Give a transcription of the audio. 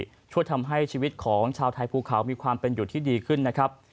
ช่วยทำให้ชีวิตของชาวไทยภูเขามีความเป็นอยู่ที่ดีขึ้นนะครับ